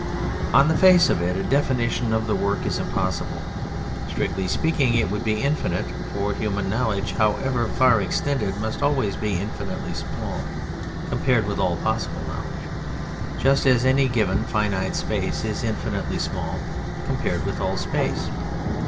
On the face of it a definition of the work is impossible. Strictly speaking it would be infinite, for human knowledge, however far extended, must always be infinitely small compared with all possible knowledge, just as any given finite space is infinitely small compared with all space.